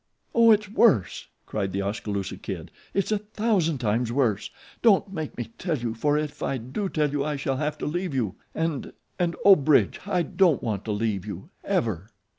"Oh, it's worse," cried The Oskaloosa Kid. "It's a thousand times worse. Don't make me tell you, for if I do tell I shall have to leave you, and and, oh, Bridge, I don't want to leave you ever!"